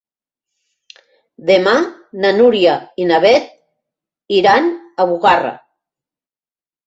Demà na Núria i na Beth iran a Bugarra.